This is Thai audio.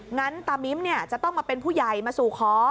งั้นตามิ้มจะต้องมาเป็นผู้ใหญ่มาสู่ขอ